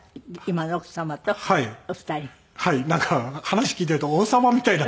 なんか話聞いてると王様みたいになってしまって。